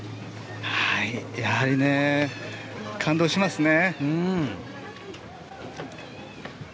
やはり感動しますね。